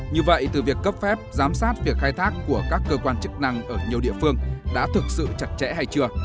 như vậy từ việc cấp phép giám sát việc khai thác của các cơ quan chức năng ở nhiều địa phương đã thực sự chặt chẽ hay chưa